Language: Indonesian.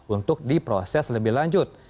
untuk diproses lebih lanjut